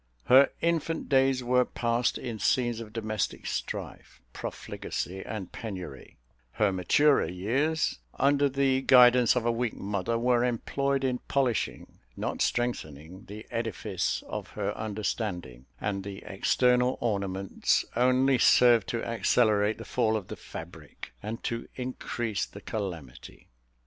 Her infant days were passed in scenes of domestic strife, profligacy, and penury; her maturer years, under the guidance of a weak mother, were employed in polishing, not strengthening, the edifice of her understanding, and the external ornaments only served to accelerate the fall of the fabric, and to increase the calamity.